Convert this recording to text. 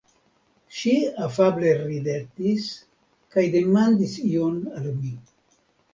Ŝi afable ridetis kaj demandis ion al mi.